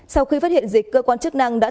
sau khi phát hiện dịch cơ quan chức năng đã